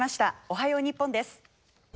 「おはよう日本」です。